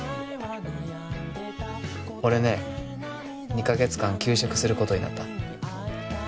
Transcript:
俺ね２カ月間休職する事になった。